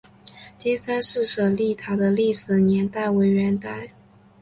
金山寺舍利塔的历史年代为元代。